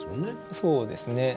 そうですね。